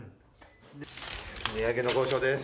値上げの交渉です。